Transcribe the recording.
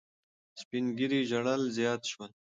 سپین ږیري ژړل زیات شول.